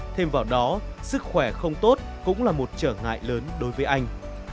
thêm vào đó sức khỏe không tốt cũng là một trở ngại lớn đối với anh